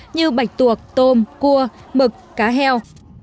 như bạch tuộc tôm cua mực cá heo